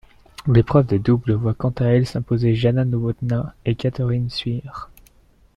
L'épreuve de double voit quant à elle s'imposer Jana Novotná et Catherine Suire.